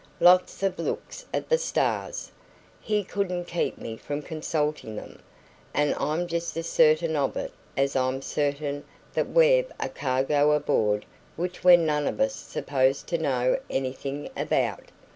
"Lots of looks at the stars. He couldn't keep me from consulting them; and I'm just as certain of it as I'm certain that we've a cargo aboard which we're none of us supposed to know anything about."